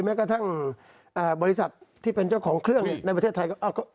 แม้กระทั่งบริษัทที่เป็นเจ้าของเครื่องในประเทศไทยก็